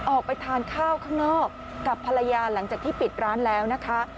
ออกไปทานข้าวข้างนอกกับภรรยาหลังจากที่ปิดร้านแล้วนะคะ